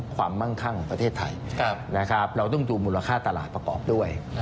ความมั่งขั้งของประเทศไทยครับนะครับเราต้องดูมูลค่าตลาดประกอบด้วย